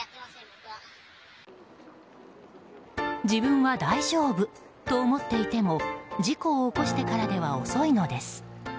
自分は大丈夫と思っていても事故を起こしてからでは遅いのです。